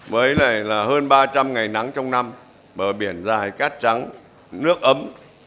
với lại là hơn ba trăm linh ngày nắng trong năm bờ biển dài cát trắng nước ấm